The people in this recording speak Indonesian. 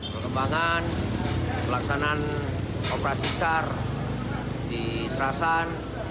pengembangan pelaksanaan operasi sar di serasan